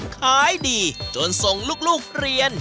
ขายดีจนส่งลูกเรียน